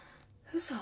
嘘！？